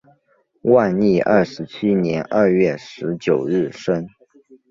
万历二十七年二月十九日生。